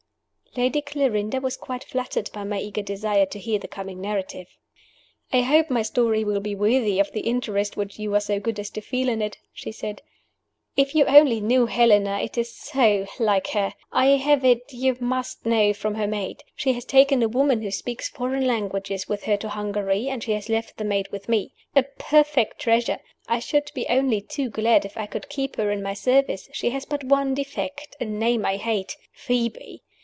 Lady Clarinda was quite flattered by my eager desire to hear the coming narrative. "I hope my story will be worthy of the interest which you are so good as to feel in it," she said. "If you only knew Helena it is so like her! I have it, you must know, from her maid. She has taken a woman who speaks foreign languages with her to Hungary and she has left the maid with me. A perfect treasure! I should be only too glad if I could keep her in my service: she has but one defect, a name I hate Phoebe.